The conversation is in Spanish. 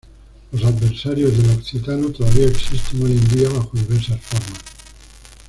Los adversarios del occitano todavía existen hoy en día, bajo diversas formas.